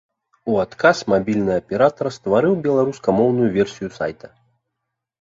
У адказ мабільны аператар стварыў беларускамоўную версію сайта.